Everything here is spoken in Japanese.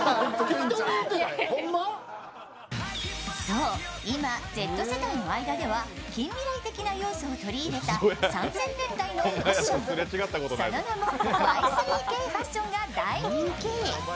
そう、今、Ｚ世代の間では近未来的な要素を取り入れた３０００年代のファッション、その名もＹ３Ｋファッションが大人気。